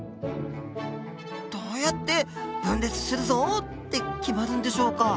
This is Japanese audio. どうやって「分裂するぞ」って決まるんでしょうか。